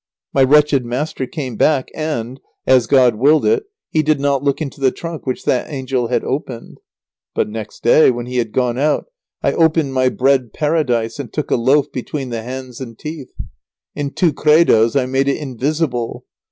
My wretched master came back, and, as God willed it, he did not look into the trunk which that angel had opened. But next day, when he had gone out, I opened my bread paradise and took a loaf between the hands and teeth. In two credos I made it invisible.